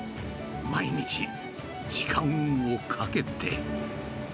毎日、時間をかけて。